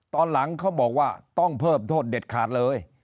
ตอนหลังเขาบอกว่าต้องเพิ่มโทษเด็ดขาดเลย